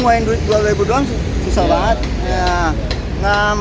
mauin duit dua ribu doang susah banget